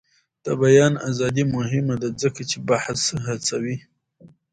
د بیان ازادي مهمه ده ځکه چې بحث هڅوي.